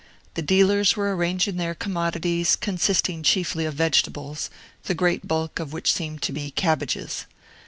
The dealers were arranging their commodities, consisting chiefly of vegetables, the great bulk of which seemed to be cabbages.